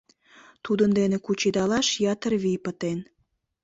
Тудын дене кучедалаш ятыр вий пытен.